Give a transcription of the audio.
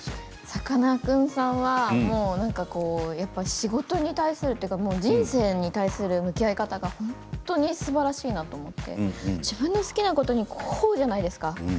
さかなクンさんは仕事に対するというか人生に対する向き合い方が本当にすばらしいなと思って自分の好きなことにこうじゃないですか。